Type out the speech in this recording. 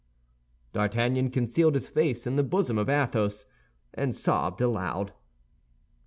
D'Artagnan concealed his face in the bosom of Athos, and sobbed aloud.